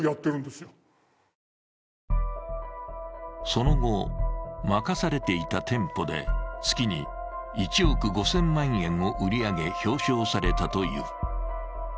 その後、任されていた店舗で月に１億５０００万円を売り上げ、表彰されたという。